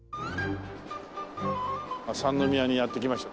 三宮にやって来ました。